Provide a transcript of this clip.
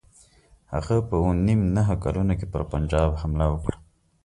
هغه په اووه نیم نه کلونو کې پر پنجاب حمله وکړه.